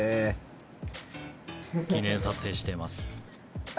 記念撮影してます